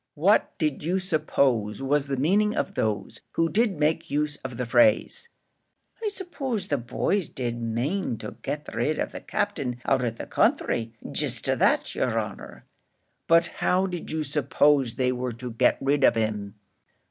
"What did you suppose was the meaning of those who did make use of the phrase?" "I 'sposed the boys did mane to get rid of the Captain out of the counthry; jist that, yer honour." "But how did you suppose they were to get rid of him?"